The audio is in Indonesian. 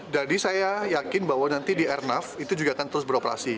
jadi saya yakin bahwa nanti di airnav itu juga akan terus beroperasi